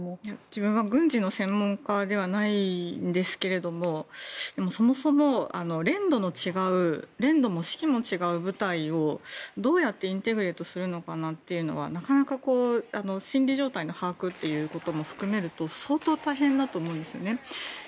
自分は軍事の専門家ではないんですがそもそも練度も士気も違う部隊をどうやってインテグレートするのかなというのはなかなか心理状態の把握ということも含めると相当、大変だと思うんですよね。